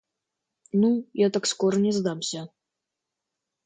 Ну, я так скоро не сдамся.